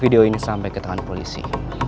video ini sampai ke tangan polisi